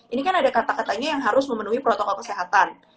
ini kan ada kata katanya yang harus memenuhi protokol kesehatan